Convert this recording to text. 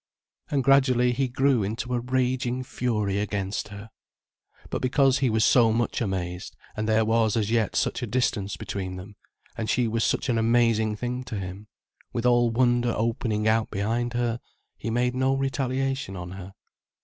And gradually he grew into a raging fury against her. But because he was so much amazed, and there was as yet such a distance between them, and she was such an amazing thing to him, with all wonder opening out behind her, he made no retaliation on her.